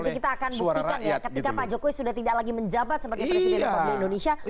nanti kita akan buktikan ya ketika pak jokowi sudah tidak lagi menjabat sebagai presiden republik indonesia